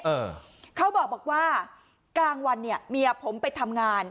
เออเขาบอกว่ากลางวันเนี่ยเมียผมไปทำงาน